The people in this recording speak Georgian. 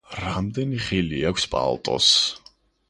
რამდენი ღილი აქვს პალტოს?